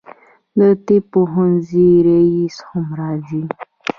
د طب پوهنځي رییسه هم راځي.